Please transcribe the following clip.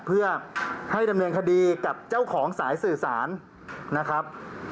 เพื่อให้ดำเนินคดีกับเจ้าของสายสื่อสารนะครับ